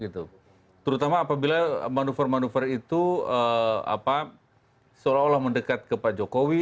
terutama apabila manuver manuver itu seolah olah mendekat ke pak jokowi